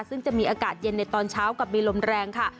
ซึ่งจะมีอากาศเย็นในตอนเช้ากับมีลมแรงค่ะ